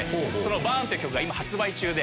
『ＢＵＲＮ』って曲が今発売中で。